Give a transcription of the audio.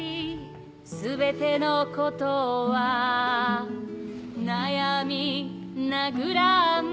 「全てのことはァ」「悩みなぐらん！」